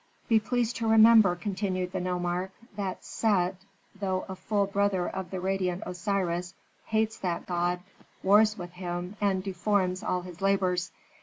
"Be pleased to remember," continued the nomarch, "that Set, though a full brother of the radiant Osiris, hates that god, wars with him, and deforms all his labors.